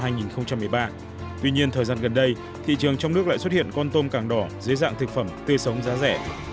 tuy nhiên thời gian gần đây thị trường trong nước lại xuất hiện con tôm càng đỏ dưới dạng thực phẩm tươi sống giá rẻ